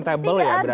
tidak ada kemungkinan